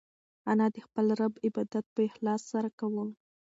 انا د خپل رب عبادت په اخلاص سره کاوه.